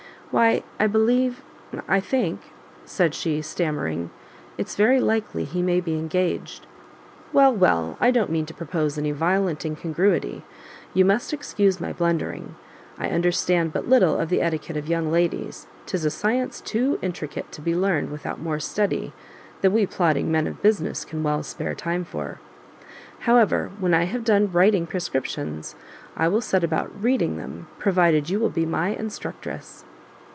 "Why I believe I think " said she, stammering, "it's very likely he may be engaged." "Well, well, I don't mean to propose any violent incongruity. You must excuse my blundering; I understand but little of the etiquette of young ladies. 'Tis a science too intricate to be learned without more study than we plodding men of business can well spare time for. However, when I have done writing prescriptions, I will set about reading them, provided you will be my instructress."